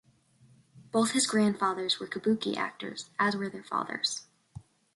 Both his grandfathers were kabuki actors, as were their fathers.